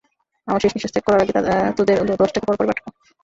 আমার শেষ নিঃশ্বাস ত্যাগ করার আগে তোদের অন্তত দশটাকে পরপারে পাঠাবো।